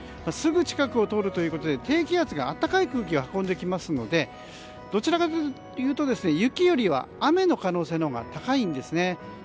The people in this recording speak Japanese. すぐ近くを通るということで低気圧が暖かい空気を運んできますのでどちらかというと雪よりは雨の可能性のほうが高いんですね。